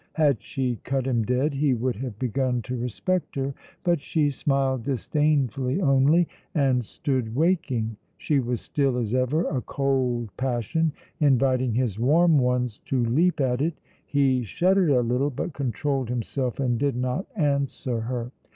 Had she cut him dead, he would have begun to respect her. But she smiled disdainfully only, and stood waking. She was still, as ever, a cold passion, inviting his warm ones to leap at it. He shuddered a little, but controlled himself and did not answer her.